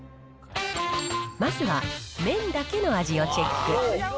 まずは麺だけの味をチェック。